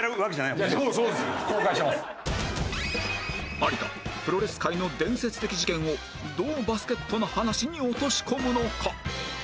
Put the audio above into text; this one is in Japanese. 有田プロレス界の伝説的事件をどうバスケットの話に落とし込むのか？